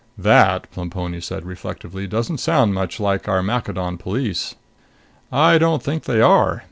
"That," Plemponi said reflectively, "doesn't sound much like our Maccadon police." "I don't think they are.